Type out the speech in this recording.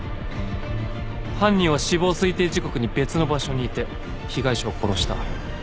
犯人は死亡推定時刻に別の場所にいて被害者を殺した。